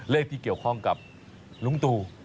เลขที่เกี่ยวข้องกับลุงตู